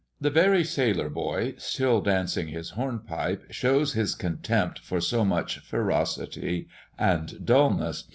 The very sailor boy, still dancing his hornpipe, shows his contempt for so much ferocity and dulness.